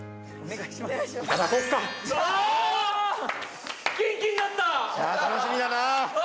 いや楽しみだなあ